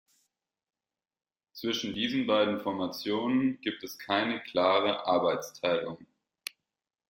Zwischen diesen beiden Formationen gibt es keine klare Arbeitsteilung.